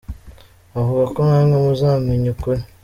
Havuga ko namwe muzamenya ukuri